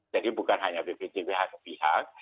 jadi bukan hanya bpc pihak pihak